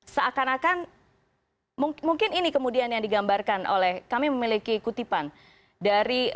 seakan akan mungkin ini kemudian yang digambarkan oleh kami memiliki kutipan dari